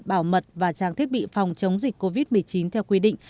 bảo mật và trang thiết bị phòng chống dịch covid một mươi chín theo quy định